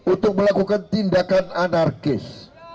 untuk melakukan tindakan anarkis